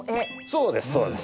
そうですそうです。